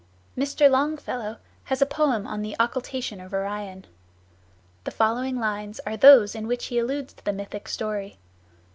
Mr. Longfellow has a poem on the "Occultation of Orion." The following lines are those in which he alludes to the mythic story.